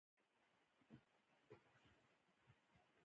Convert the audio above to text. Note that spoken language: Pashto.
بامیان د افغانستان د اقتصادي منابعو ارزښت زیاتوي.